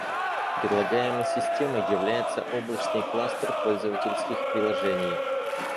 Предлагаемой системой является облачный кластер пользовательских приложений